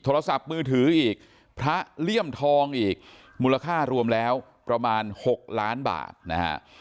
โทรศัพท์มือถืออีกพระเลี่ยมทองอีกมูลค่ารวมแล้วประมาณ๖ล้านบาทนะฮะ